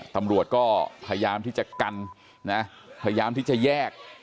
ตำรวจก็พยายามที่จะกันนะพยายามที่จะแยก